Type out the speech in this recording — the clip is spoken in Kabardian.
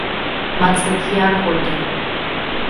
Мацӏэ дия хуэдэ.